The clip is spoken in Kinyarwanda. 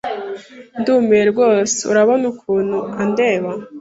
Ndumiwe rwose urabona ukuntu andeba.